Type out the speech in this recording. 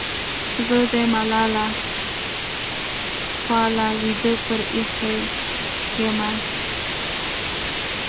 زه دې ملاله خوله وېده پرې اېښې یمه.